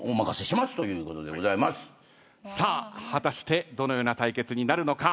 さあ果たしてどのような対決になるのか。